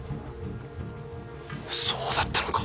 そうだったのか。